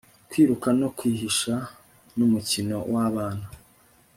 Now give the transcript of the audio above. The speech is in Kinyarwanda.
kwiruka no kwihisha numukino wabana